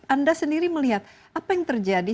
anda sendiri melihat apa yang terjadi